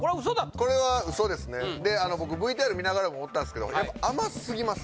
これはウソだとで僕ＶＴＲ見ながらも思ったんすけどやっぱ甘すぎます